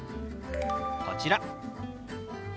こちら。